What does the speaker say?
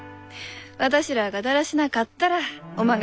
私らあがだらしなかったらおまんが叱ってよ。